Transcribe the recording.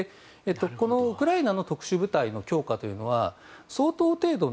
このウクライナの特殊部隊の強化というのは相当程度、ＮＡＴＯ